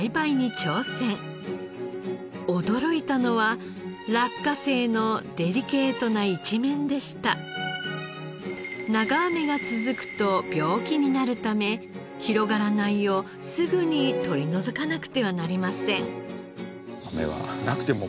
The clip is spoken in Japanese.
驚いたのは落花生の長雨が続くと病気になるため広がらないようすぐに取り除かなくてはなりません。